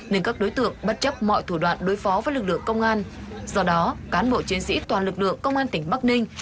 nên các đối tượng bất chấp mọi thủ đoạn đối phó với lực lượng công an do đó cán bộ chiến sĩ toàn lực lượng công an tỉnh bắc ninh